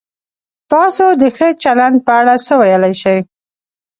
تاسو د ښه چلند په اړه څه ویلای شئ؟